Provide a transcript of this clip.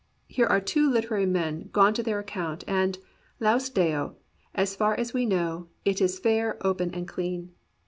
* Here are two literary men gone to their account, and, laus Deo, as far as we know, it is fair, and open, and clean.